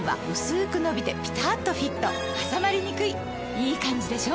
いいカンジでしょ？